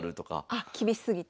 あ厳しすぎて？